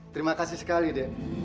tak mengingaturities empat puluh empat rd